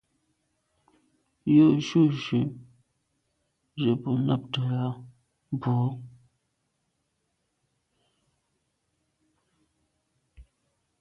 Jù jujù ze bo nabte à bwô là.